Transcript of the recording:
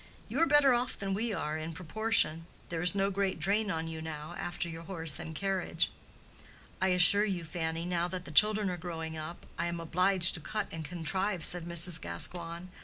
You are better off than we are, in proportion; there is no great drain on you now, after your house and carriage." "I assure you, Fanny, now that the children are growing up, I am obliged to cut and contrive," said Mrs. Gascoigne.